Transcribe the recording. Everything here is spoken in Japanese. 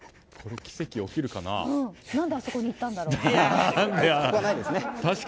何であそこに行ったんだろう。